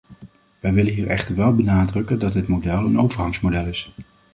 Wij willen hier echter wel benadrukken dat dit model een overgangsmodel is.